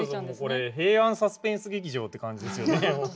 これ平安サスペンス劇場って感じですよね。